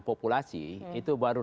populasi itu baru enam